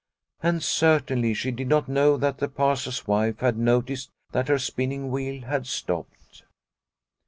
And certainly she did not know that the Pastor's wife had noticed that her spinning wheel had stopped.